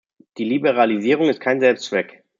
Die Liberalisierung ist kein Selbstzweck.